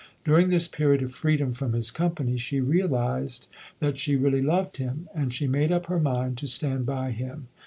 During this period of freedom from his company, she realized that she really loved him, and she made up her mind to stand by him.